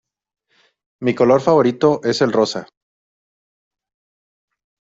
Mi color favorito es el rosa